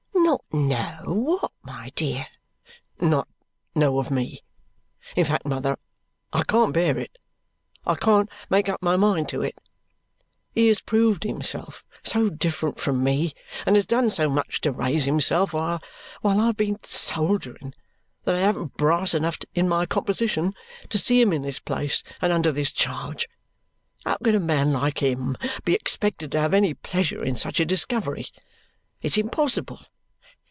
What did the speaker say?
"Not know what, my dear?" "Not know of me. In fact, mother, I can't bear it; I can't make up my mind to it. He has proved himself so different from me and has done so much to raise himself while I've been soldiering that I haven't brass enough in my composition to see him in this place and under this charge. How could a man like him be expected to have any pleasure in such a discovery? It's impossible.